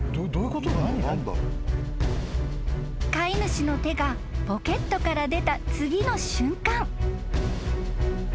［飼い主の手がポケットから出た次の瞬間］